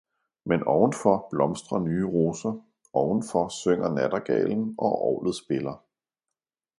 men ovenfor blomstrer nye roser, ovenfor synger nattergalen, og orglet spiller.